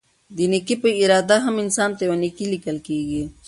د نيکي په اراده هم؛ انسان ته يوه نيکي ليکل کيږي